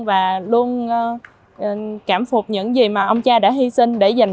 và luôn cảm phục những gì mà ông cha đã hy sinh